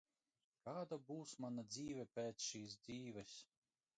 Kāda būs mana dzīve pēc šīs dzīves?